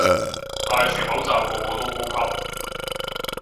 戴住口罩個個都高級